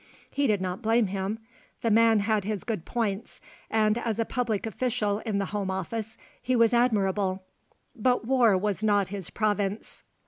He did not blame him; the man had his good points, and as a public official in the Home Office he was admirable; but war was not his province.